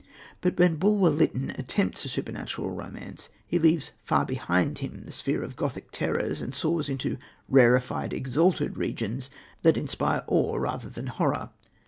But when Bulwer Lytton attempts a supernatural romance he leaves far behind him the sphere of Gothic terrors and soars into rarefied, exalted regions that inspire awe rather than horror.